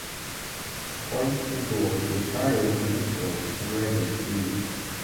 Points and goals will carry over in full from regular season.